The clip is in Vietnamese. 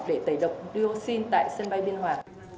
để tẩy độc dioxin tại sân bay biên hòa